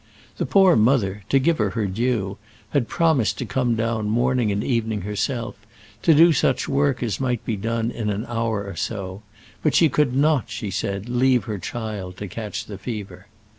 The poor mother, to give her her due, had promised to come down morning and evening herself, to do such work as might be done in an hour or so; but she could not, she said, leave her child to catch the fever.